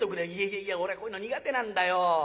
「いやいや俺はこういうの苦手なんだよ。